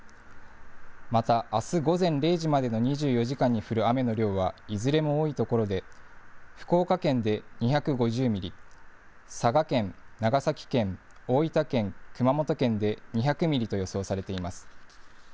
また、あす午前０時までの２４時間に降る雨の量は、いずれも多い所で、福岡県で２５０ミリ、佐賀県、長崎県、大分県、熊本県で、２００ミリと予想されています。